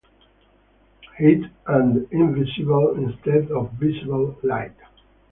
Heat, and invisible, instead of visible, light.